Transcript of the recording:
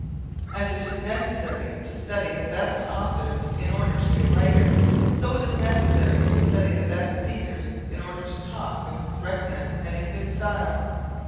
As it is necessary to study the best authors in order to be a writer, so it is necessary to study the best speakers in order to talk with correctness and in good style.